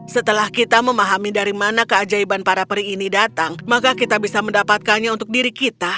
setelah kita memahami dari mana keajaiban para peri ini datang maka kita bisa mendapatkannya untuk diri kita